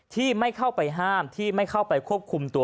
ที่ไม่เข้าไปห้ามที่ไม่เข้าไปควบคุมตัว